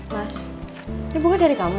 mas ini bukan dari kamu